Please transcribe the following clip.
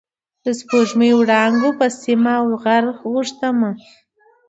د سپوږمۍ وړانګو په سم او غر غوښتمه